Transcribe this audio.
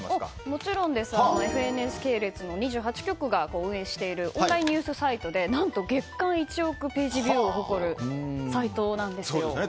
もちろんです、ＦＮＳ系列の２８局が運営しているオンラインニュースサイトで何と月間１億ページビューを誇るサイトなんですよね。